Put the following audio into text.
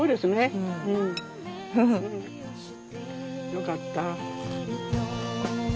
よかった。